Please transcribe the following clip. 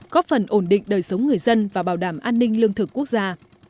có phần ổn định đời sống người dân và bảo đảm an ninh lương thực quốc gia